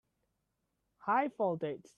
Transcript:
High voltage!